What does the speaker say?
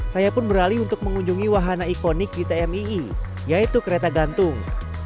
saya pun beralih untuk mengunjungi wahana ikonik di tmii yaitu kereta gantung